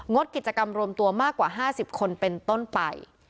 ดกิจกรรมรวมตัวมากกว่า๕๐คนเป็นต้นไป